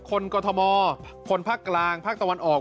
กรทมคนภาคกลางภาคตะวันออก